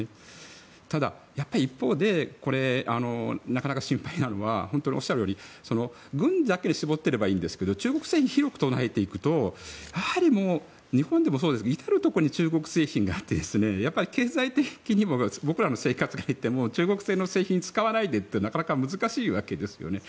ただ、やっぱり一方でこれ、なかなか心配なのは本当におっしゃるように軍だけに絞っていればいいんですけど中国製品を広く捉えていくと日本でもそうですが至るところに中国製品があって経済的にも僕らの生活からいっても中国製の製品を使わないでってなかなか難しいわけですよね。